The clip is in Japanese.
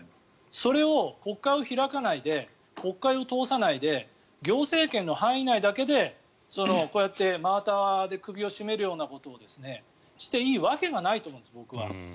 それを国会を開かないで国会を通さないで行政権の範囲内だけでこうやって真綿で首を絞めるようなことをしていいわけがないと思うんです僕は。